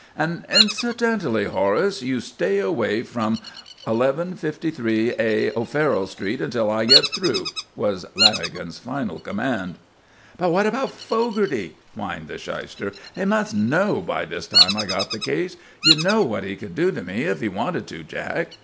"And incidentally, Horace, you stay away from 1153A O'Farrell Street until I get through," was Lanagan's final command. "But what about Fogarty?" whined the shyster. "He must know by this time I got the case. You know what he could do to me if he wanted to, Jack."